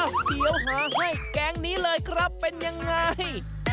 เดี๋ยวหาให้แก๊งนี้เลยครับเป็นยังไง